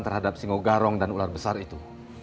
terhadap singo garong dan ular besar itu